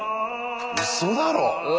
うそだろう。